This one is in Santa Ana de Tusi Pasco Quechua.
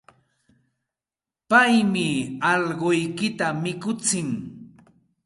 Paymi allquykita mikutsin.